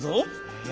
へえ。